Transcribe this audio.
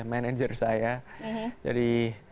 manager saya jadi